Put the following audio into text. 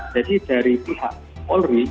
jadi dari pihak polri